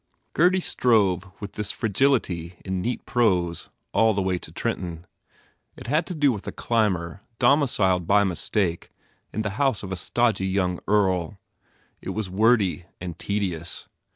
Gurdy strove with this fragility in neat prose all the way to Trenton. It had to do with a climber domiciled by mistake in the house of a stodgy young Earl. It was wordy and tedious.